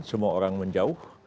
semua orang menjauh